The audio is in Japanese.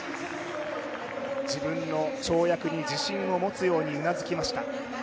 自分の跳躍に自信を持つようにうなずきました。